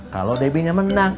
kalau debbie nya menang